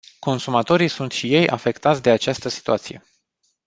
Consumatorii sunt și ei afectați de această situație.